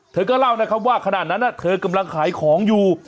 เธอก็เล่านะครับว่าขณะนั้นเธอกำลังขายของอยู่